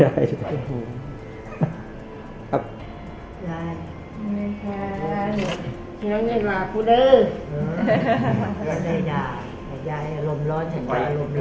หายใจอารมณ์ร้อนหายใจอารมณ์ร้อน